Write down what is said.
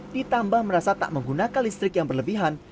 ditambah merasa tak menggunakan listrik yang berlebihan